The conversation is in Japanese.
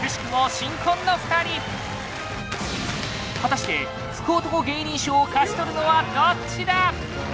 新婚の２人果たして福男芸人賞を勝ち取るのはどっちだ？